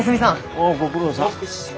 おうご苦労さん。